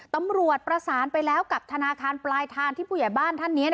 ตำรวจประสานไปแล้วกับธนาคารปลายทางที่ผู้ใหญ่บ้านท่านนี้